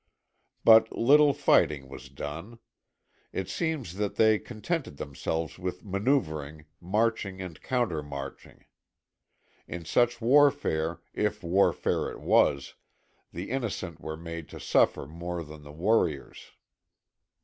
But little fighting was done. It seems that they contented themselves with manoeering, marching and counter marching. In such warfare, if warfare it was, the innocent were made to suffer more than the warriors.